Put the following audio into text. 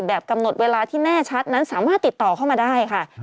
กำหนดเวลาที่แน่ชัดนั้นสามารถติดต่อเข้ามาได้ค่ะ